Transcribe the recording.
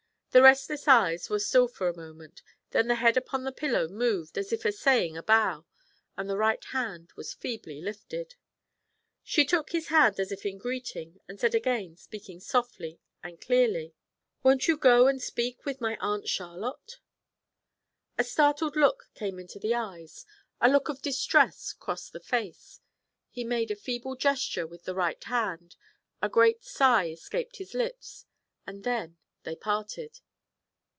The restless eyes were still for a moment; then the head upon the pillow moved as if essaying a bow, and the right hand was feebly lifted. She took his hand as if in greeting, and said again, speaking softly and clearly: 'Won't you go and speak with my Aunt Charlotte?' A startled look came into the eyes; a look of distress crossed the face. He made a feeble gesture with the right hand; a great sigh escaped his lips, and then they parted.